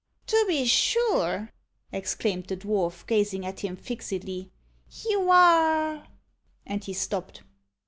"To be sure!" exclaimed the dwarf, gazing at him fixedly; "you are " and he stopped.